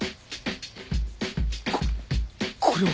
ここれは！